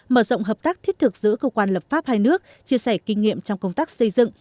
mở rộng hợp tác thiết thực giữa cơ quan lập pháp hai nước chia sẻ kinh nghiệm trong công tác xây dựng